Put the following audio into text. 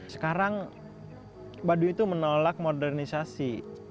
sekarang baduy itu menolak modernisasi